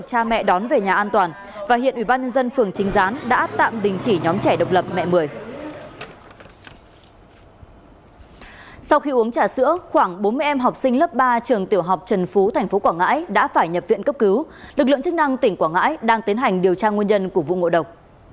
khoảng bốn mươi em học sinh lớp ba trường tiểu học trần phú tp quảng ngãi đã phải nhập viện cấp cứu lực lượng chức năng tỉnh quảng ngãi đang tiến hành điều tra nguyên nhân của vụ ngộ độc